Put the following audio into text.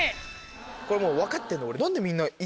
これもう分かってんの俺。